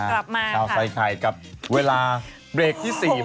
อ่ะกลับมาค่ะสายไข่เวลาเวลาเวิลาเบรกที่๔